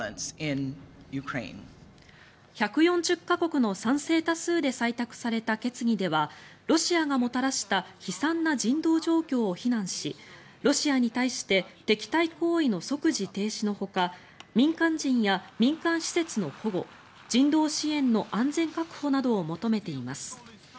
１４０か国の賛成多数で採択された決議ではロシアがもたらした悲惨な人道状況を非難しロシアに対して敵対行為の即時停止のほか民間人や民間施設の保護人道支援の安全確保などを求めています。